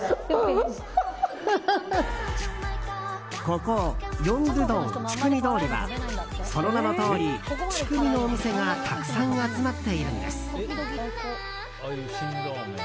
ここ、ヨンドゥドンチュクミ通りはその名のとおりチュクミのお店がたくさん集まっているんです。